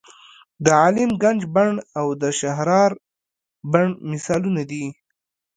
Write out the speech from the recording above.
د عالم ګنج بڼ او د شهرارا بڼ مثالونه دي.